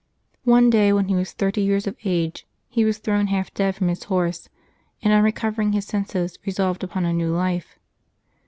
One day, when he was thirty years of age, he was thrown half dead from his horse, and on recovering his senses, resolved upon a new life.